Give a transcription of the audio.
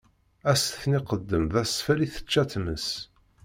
Ad s-ten-iqeddem d asfel i tečča tmes.